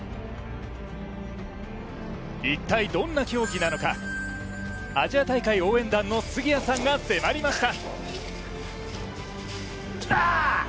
一体どんな競技なのかアジア大会応援団の杉谷さんが迫りました。